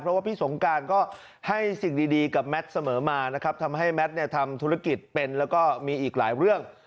เพราะว่าพี่สงการก็ให้สิ่งดีกับแมทเสมอมานะครับทำให้แมทเนี่ยทำธุรกิจเป็นแล้วก็มีอีกหลายเรื่อง